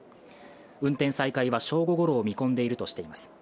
運転再開は正午ごろを見込んでいるとしています。